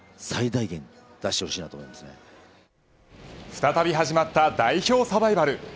再び始まった代表サバイバル。